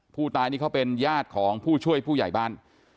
ผู้ตายนี่เขาเป็นญาติของผู้ช่วยผู้ใหญ่บ้าน